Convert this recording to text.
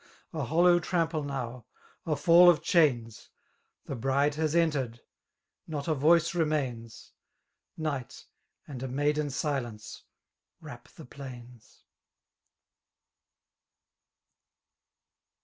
A hollow trample now^ — a fall of chains,— The bride has entered, — ^not a voice remains;— Ni^ht, and a maiden silence^ wrap the plains.